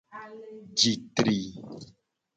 Ji tri.